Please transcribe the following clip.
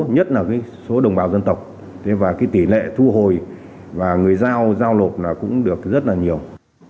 nhất là số đồng bào dân tộc và tỷ lệ thu hồi và người giao giao lộp cũng được rất là nhiều